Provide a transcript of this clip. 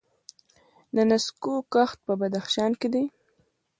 د نسکو کښت په بدخشان کې دی.